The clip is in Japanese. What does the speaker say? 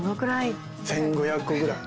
１５００個ぐらい。